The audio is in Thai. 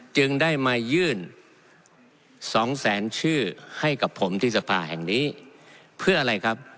จึงได้มายื่นสองแสนชื่อให้กับผมที่สภาแห่งนี้เพื่ออะไรครับ